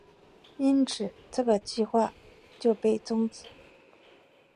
因此这个计划就被终止。